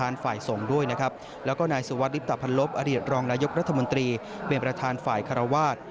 นายสุวรรคลิปตะพันลบอริฐรองรายกรรธมนตรีเป็นประธานฝ่ายคารวาส